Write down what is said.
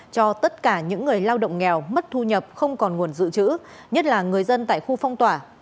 cho tất cả những người lao động nghèo mất thu nhập không còn nguồn dự trữ nhất là người dân tại khu phong tỏa